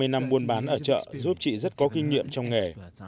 hai mươi năm buôn bán ở chợ giúp chị rất có kinh nghiệm trong nghề